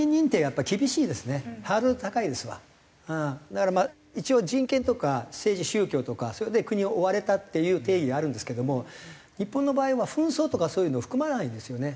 だから一応人権とか政治宗教とかそれで国を追われたっていう定義があるんですけども日本の場合は紛争とかそういうのを含まないんですよね。